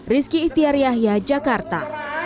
rizky itiar yahya jakarta